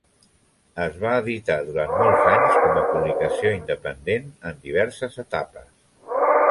Es va editar durant molts anys com a publicació independent, en diverses etapes.